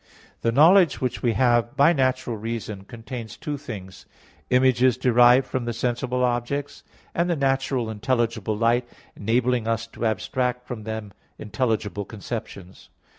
The knowledge which we have by natural reason contains two things: images derived from the sensible objects; and the natural intelligible light, enabling us to abstract from them intelligible conceptions.